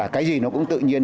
cái gì nó cũng tự nhiên